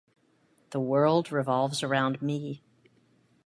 The world revolves around me.